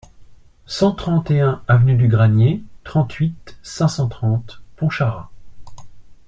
cent trente et un avenue du Granier, trente-huit, cinq cent trente, Pontcharra